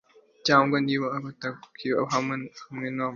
cyangwa niba atabanga kuki bahanwa